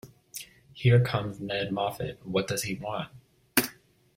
Here comes Ned Moffat; what does he want?